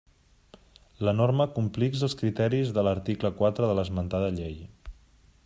La norma complix els criteris de l'article quatre de l'esmentada llei.